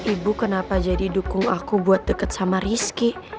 ibu kenapa jadi dukung aku buat deket sama rizky